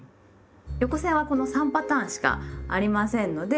横線はこの３パターンしかありませんので。